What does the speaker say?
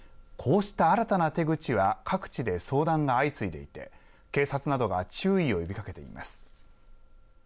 こうした新たな手口は各地で相談が相次いでいて警察などが注意を呼びかけています。